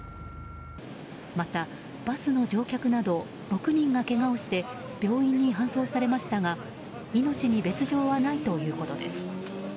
また、バスの乗客など６人がけがをして病院に搬送されましたが命に別条はないということです。